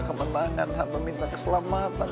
ke rumah sakit terdekat lah